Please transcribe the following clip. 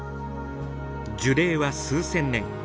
樹齢は数千年。